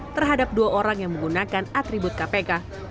terhadap dua orang yang menggunakan atribut kpk